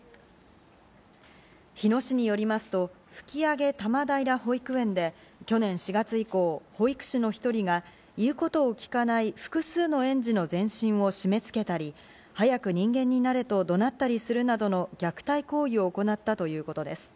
日野市によりますと、吹上多摩平保育園で去年４月以降、保育士の１人が言うことを聞かない複数の園児の全身を締め付けたり、早く人間になれと怒鳴ったりするなどの虐待行為を行ったということです。